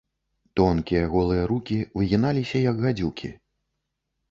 Тонкія голыя рукі выгіналіся, як гадзюкі.